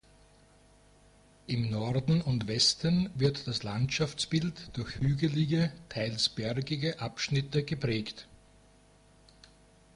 Im Norden und Westen wird das Landschaftsbild durch hügelige, teils bergige Abschnitte geprägt.